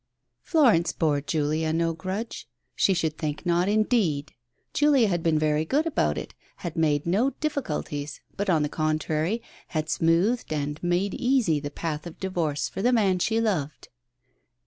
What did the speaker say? Florence bore Julia no grudge, she should think not, indeed ! Julia had been very good about it, had made no difficulties, but on the contrary, had smoothed and made easy the path of divorce for the man she loved.